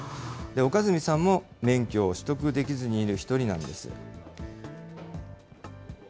岡住さんも免許を取得できずにいる１人なんです。